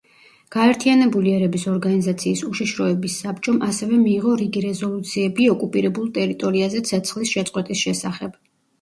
გაერთიანებული ერების ორგანიზაციის უშიშროების საბჭომ ასევე მიიღო რიგი რეზოლუციები ოკუპირებულ ტერიტორიაზე ცეცხლის შეწყვეტის შესახებ.